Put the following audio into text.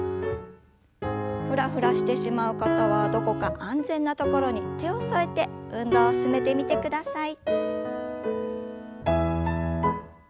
ふらふらしてしまう方はどこか安全な所に手を添えて運動を進めてみてください。